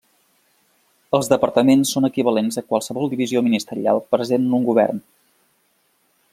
Els departaments són equivalents a qualsevol divisió ministerial present en un govern.